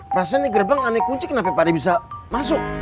perasaan ini gerbang ada kunci kenapa pak d bisa masuk